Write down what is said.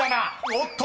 ［おっと⁉